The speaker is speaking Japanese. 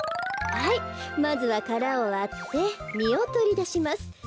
はいまずはからをわってみをとりだします。